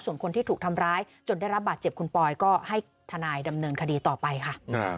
ส่วนคนที่ถูกทำร้ายจนได้รับบาดเจ็บคุณปอยก็ให้ทนายดำเนินคดีต่อไปค่ะ